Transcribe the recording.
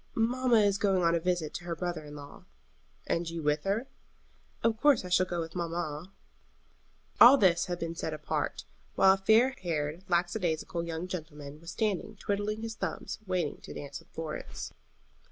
"Mamma is going on a visit to her brother in law." "And you with her?" "Of course I shall go with mamma." All this had been said apart, while a fair haired, lackadaisical young gentleman was standing twiddling his thumbs waiting to dance with Florence.